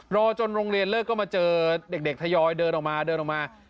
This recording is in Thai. รอจนโรงเรียนเลิกก็มาเจอเด็กทยอยเดินออกมาเดินออกมา